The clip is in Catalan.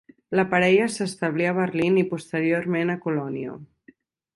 La parella s'establí a Berlín i posteriorment a Colònia.